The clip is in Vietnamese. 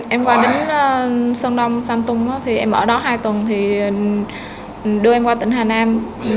em qua đến sơn đông san tung em ở đó hai tuần đưa em qua tỉnh hà nam